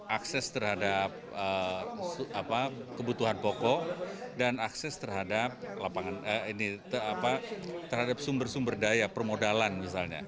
akses terhadap kebutuhan pokok dan akses terhadap sumber sumber daya permodalan misalnya